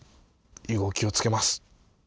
以後気をつけます。